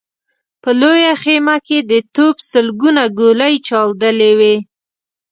په لويه خيمه کې د توپ سلګونه ګولۍ چاودلې وې.